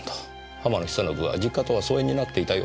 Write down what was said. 浜野久信は実家とは疎遠になっていたようですね。